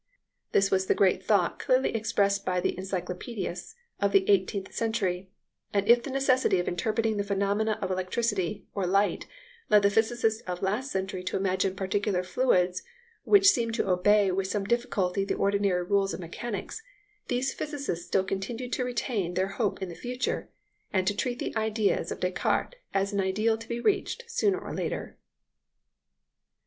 This was the great thought clearly expressed by the Encyclopædists of the eighteenth century; and if the necessity of interpreting the phenomena of electricity or light led the physicists of last century to imagine particular fluids which seemed to obey with some difficulty the ordinary rules of mechanics, these physicists still continued to retain their hope in the future, and to treat the idea of Descartes as an ideal to be reached sooner or later.